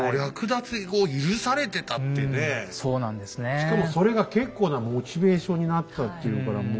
しかもそれが結構なモチベーションになってたっていうからもう。